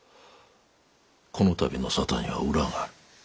この度の沙汰には裏がある。